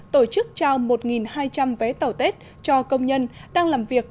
tổ chức trao một hai trăm linh vé tàu tết cho công nhân đang làm việc